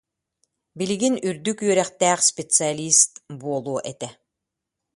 Билигин үрдүк үөрэхтээх специалист буолуо этэ